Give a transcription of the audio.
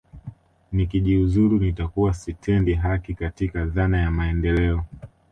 Nikijiuzulu nitakuwa sitendi haki katika dhana ya maendeleo